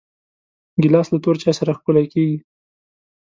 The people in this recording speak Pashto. ګیلاس له تور چای سره ښکلی کېږي.